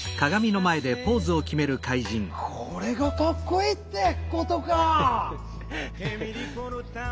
これがかっこいいってことか。